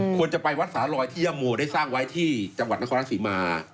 ควรจะไปวัดสาลอยที่ย่าโมได้สร้างไว้ที่จังหวัดนครรัฐศรีมา